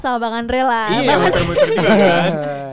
dia muter muter juga kan